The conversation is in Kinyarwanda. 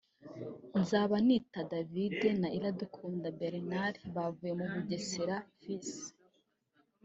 Nzabanita David na Iradukunda Bertrand bavuye muri Bugesera Fc